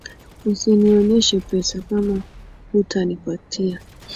Usinioneshe pesa kama hutanipatia